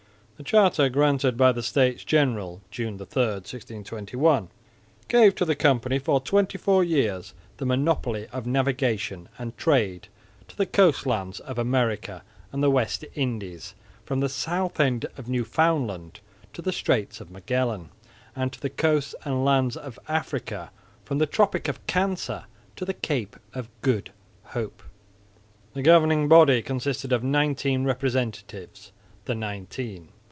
The charter granted by the States General (June 3, 1621) gave to the company for twenty four years the monopoly of navigation and trade to the coast lands of America and the West Indies from the south end of Newfoundland to the Straits of Magellan and to the coasts and lands of Africa from the tropic of Cancer to the Cape of Good Hope. The governing body consisted of nineteen representatives, the Nineteen.